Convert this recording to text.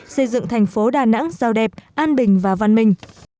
xây dựng thành phố đà nẵng giao đẹp an bình và văn minh